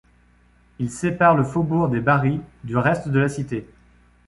Il sépare le faubourg des Barris du reste de la cité.